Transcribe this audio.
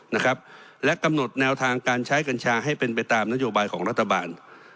นะครับและกำหนดแนวทางการใช้กัญชาให้เป็นไปตามนโยบายของรัฐบาล